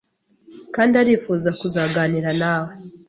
kandi arifuza kuzaganira nawe.